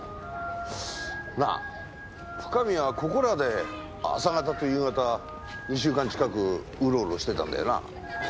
なあ深見はここらで朝方と夕方２週間近くウロウロしてたんだよな？